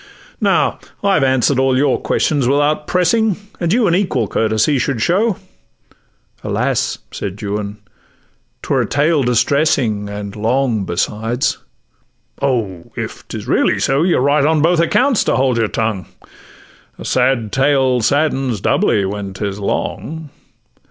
Now I have answer'd all your questions without pressing, And you an equal courtesy should show.' 'Alas!' said Juan, ''twere a tale distressing, And long besides.'—'Oh! if 'tis really so, You're right on both accounts to hold your tongue; A sad tale saddens doubly, when 'tis long.